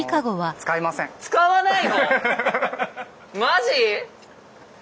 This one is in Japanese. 使わない。